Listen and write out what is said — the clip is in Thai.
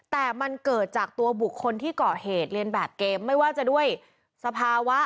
แต่มันเกิดจากตัวบุคคลที่เกาะเหตุเรียนแบบเกมไม่ว่าจะด้วยสภาวะ